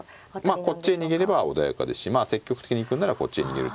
こっちへ逃げれば穏やかですし積極的に行くならこっちへ逃げる手も。